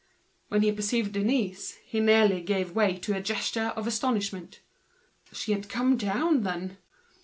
When he perceived Denise, he nearly gave way to a gesture of astonishment. She had come down, then?